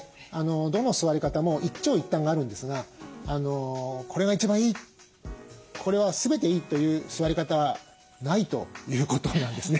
どの座り方も一長一短があるんですがこれが一番いいこれは全ていいという座り方はないということなんですね。